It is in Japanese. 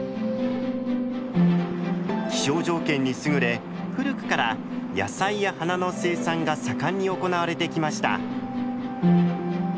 気象条件にすぐれ古くから野菜や花の生産が盛んに行われてきました。